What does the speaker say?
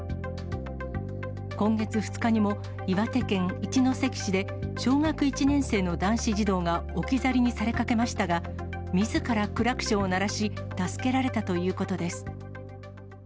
今月２日にも、岩手県一関市で、小学１年生の男子児童が置き去りにされかけましたが、みずからクラクションを鳴らし、助けられたということです。